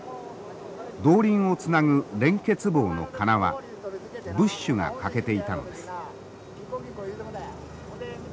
動輪をつなぐ連結棒の金輪ブッシュが欠けていたのです。